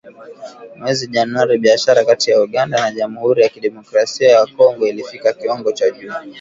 mwezi Januari, biashara kati ya Uganda na Jamhuri ya Kidemokrasia ya Kongo ilifikia kiwango cha juu.